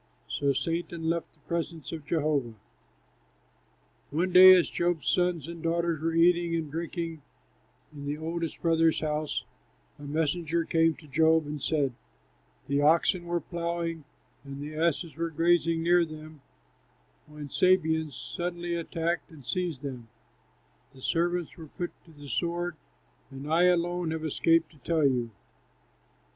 So Satan left the presence of Jehovah. One day, as Job's sons and daughters were eating and drinking in the oldest brother's house, a messenger came to Job and said, "The oxen were ploughing and the asses were grazing near them when Sabeans suddenly attacked and seized them; the servants were put to the sword, and I alone have escaped to tell you."